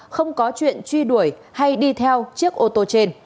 không có chuyện truy đuổi hay đi theo chiếc ô tô trên